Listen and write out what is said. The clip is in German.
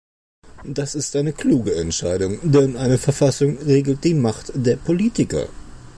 Das ist eine kluge Entscheidung, denn eine Verfassung regelt die Macht der Politiker.